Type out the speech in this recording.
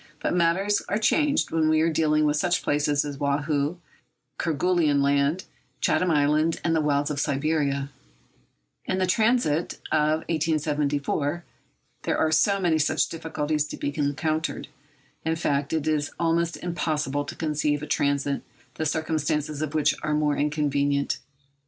But matters are changed when we are dealing with such places as Woahoo, Kerguelen Land, Chatham Island, and the wilds of Siberia. In the transit of 1874 there are many such difficulties to be encountered. In fact, it is almost impossible to conceive a transit the circumstances of which are more inconvenient.